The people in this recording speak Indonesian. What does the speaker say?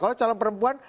kalau calon perempuan